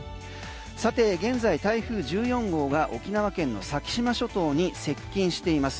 さて現在台風１４号が沖縄県の先島諸島に接近しています。